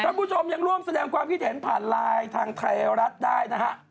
คุณผู้ชมยังร่วมแสดงความคิดเห็นผ่านไลน์ทางไทยรัฐได้นะฮะ